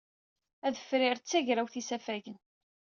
Adefrir d tagrawt n yisafagen.